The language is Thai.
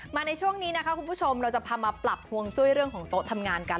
ในช่วงนี้นะคะคุณผู้ชมเราจะพามาปรับฮวงจุ้ยเรื่องของโต๊ะทำงานกัน